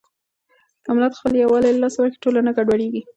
که ملت خپل يووالی له لاسه ورکړي، ټولنه ګډوډېږي.